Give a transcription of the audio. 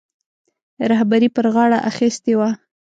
رهبري پر غاړه اخیستې وه.